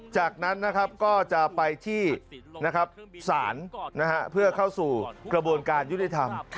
จากนั้นนะครับก็จะไปที่ศาลเพื่อเข้าสู่กระบวนการยุติธรรม